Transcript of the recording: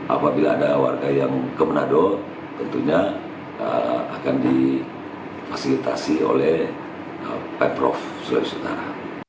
apabila ada warga yang ke menado tentunya akan difasilitasi oleh pemprov sulawesi utara